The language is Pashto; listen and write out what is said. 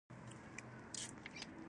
• انګور د عصبي فشار کمولو کې مرسته کوي.